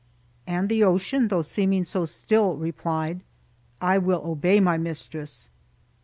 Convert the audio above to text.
And the ocean, though seeming so still, replied, "I will obey my mistress."